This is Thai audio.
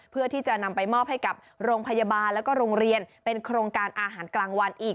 เพื่อที่จะนำไปมอบให้กับโรงพยาบาลแล้วก็โรงเรียนเป็นโครงการอาหารกลางวันอีก